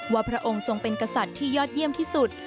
พระองค์ทรงเป็นกษัตริย์ที่ยอดเยี่ยมที่สุด